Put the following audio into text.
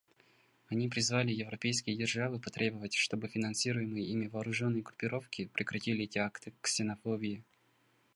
Они призвали европейские державы потребовать, чтобы финансируемые ими вооруженные группировки прекратили эти акты ксенофобии.